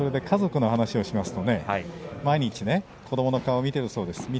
家族の話をしますと毎日、子どもの顔を見ているそうです。